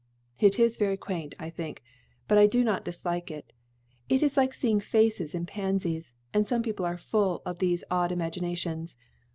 "It is very quaint, I think, but I do not dislike it: it is like seeing faces in pansies; and some people are full of these odd imaginations.